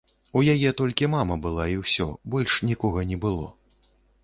У яе толькі мама была, і ўсё, больш нікога не было.